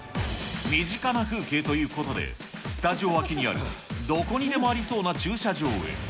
身近な風景ということで、スタジオ脇にある、どこにでもありそうな駐車場へ。